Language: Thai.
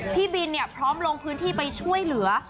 พี่บินพร้อมลงพื้นที่ไปช่วยเหลือ